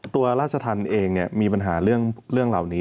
ตัวราชธรรมเองเนี่ยมีปัญหาเรื่องเหล่านี้